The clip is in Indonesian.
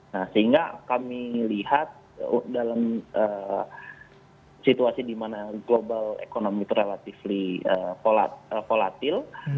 nah sehingga kami lihat dalam situasi di mana global economy relatively volatile